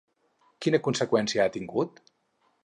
Quina conseqüència ha tingut?